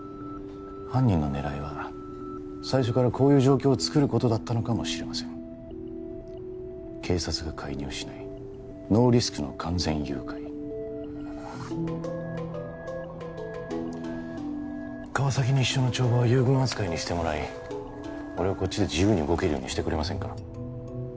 犯人の狙いは最初からこういう状況をつくることだったのかもしれません警察が介入しないノーリスクの完全誘拐川崎西署の帳場は遊軍扱いにしてもらい俺をこっちで自由に動けるようにしてくれませんか？